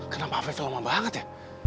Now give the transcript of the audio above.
kenapa average lama banget ya